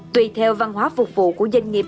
tùy theo văn hóa phục vụ của doanh nghiệp